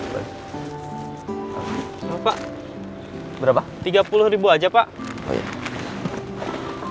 berapa berapa tiga puluh aja pak